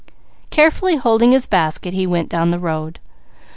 Carefully holding his basket he went down the road.